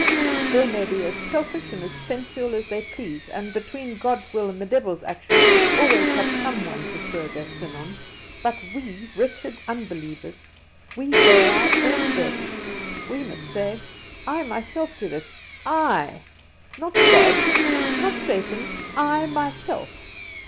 They may be as selfish and as sensual as they please, and, between God's will and the devil's action, always have some one to throw their sin on. But we, wretched unbelievers, we bear our own burdens: we must say, 'I myself did it, I. Not God, not Satan; I myself!